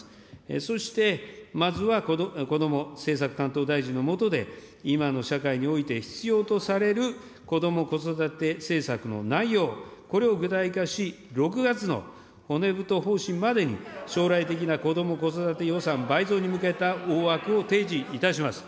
そして、まずはこども政策担当大臣のもとで、今の社会において必要とされる、こども・子育て政策の内容、これを具体化し、６月の骨太方針までに、将来的なこども・子育て予算倍増に向けた大枠を提示いたします。